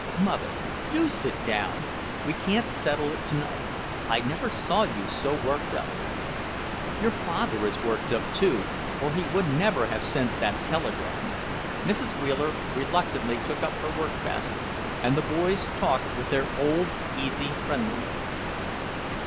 "Mother, do sit down! We can't settle it tonight. I never saw you so worked up." "Your father is worked up, too, or he would never have sent that telegram." Mrs. Wheeler reluctantly took up her workbasket, and the boys talked with their old, easy friendliness.